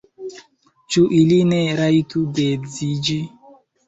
Ĉu ili ne rajtu geedziĝi?